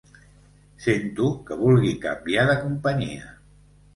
Sento que vulgui canviar de companyia.